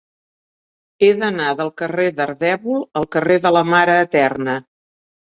He d'anar del carrer d'Ardèvol al carrer de la Mare Eterna.